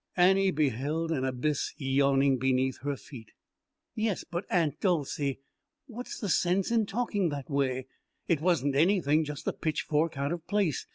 Annie beheld an abyss yawning beneath her feet. "Yes, but, Aunt Dolcey what's the sense in talking that way? It wasn't anything, just a pitchfork out of place.